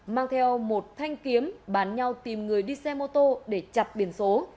mang theo một thanh kiếm bàn nhau tìm người đi xe mô tô để chặt biển số